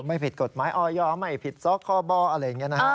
ไม่ผิดกฎหมายออยไม่ผิดสคบอะไรอย่างนี้นะฮะ